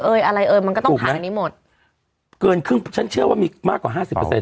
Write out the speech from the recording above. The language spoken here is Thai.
อะไรเอ่ยมันก็ต้องผ่านอันนี้หมดเกินครึ่งฉันเชื่อว่ามีมากกว่าห้าสิบเปอร์เซ็